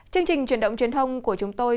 chương trình truyền động truyền thông của chúng tôi